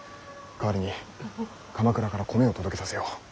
代わりに鎌倉から米を届けさせよう。